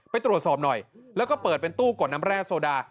ไปตรวจสอบหน่อยแล้วก็เปิดเป็นตู้กดน้ำแร่โซดา